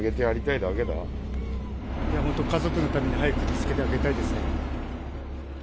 いや本当、家族のために、早く見つけてあげたいですね。